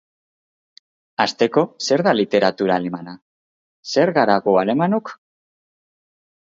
Hasteko, zer da literatura alemana? Zer gara gu alemanok?